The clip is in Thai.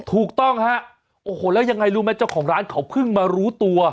ถูกต้องฮะโอ้โหแล้วยังไงรู้ไหมเจ้าของร้านเขาเพิ่งมารู้ตัว